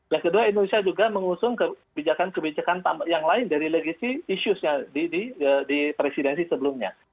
yang kedua indonesia juga mengusung kebijakan kebijakan yang lain dari legacy issues di presidensi sebelumnya